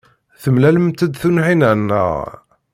Temlalemt-d Tunhinan, naɣ?